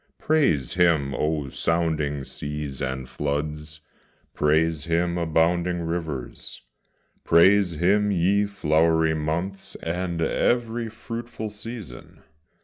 Praise Him, O sounding seas, and floods! praise Him, abounding rivers; Praise Him, ye flowery months, and every fruitful season!